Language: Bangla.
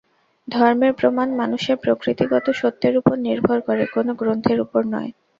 ধর্মের প্রমাণ মানুষের প্রকৃতিগত সত্যের উপর নির্ভর করে, কোন গ্রন্থের উপর নয়।